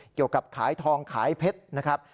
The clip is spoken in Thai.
เกี่ยวกับขายทองขายเพชรนะครับ